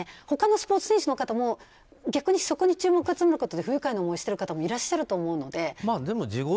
他のスポーツ選手の方も逆にそこに注目を集めて不愉快な思いをしてる方もいらっしゃると思うので。